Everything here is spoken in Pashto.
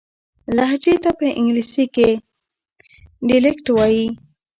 لهجې ته په انګلیسي کښي Dialect وایي.